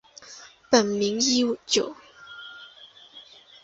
本名义久。